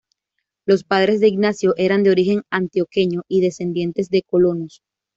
Los padres de Ignacio eran de origen antioqueño y descendientes de colonos.